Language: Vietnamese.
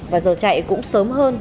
và giờ chạy cũng sớm hơn